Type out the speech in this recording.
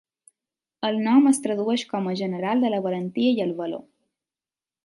El nom es tradueix com a "General de la Valentia i el Valor".